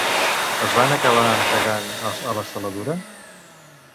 Es van acabar entregant a la saladura?